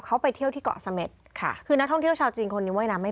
เขาไปเที่ยวที่เกาะสเม็ดค่ะ